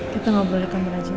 kita ngobrol di kamerah jenis ini